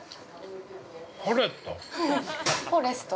◆フォレスト。